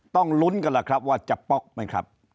ต้องลุ้นกันล่ะครับว่าจะป๊อกไหมครับ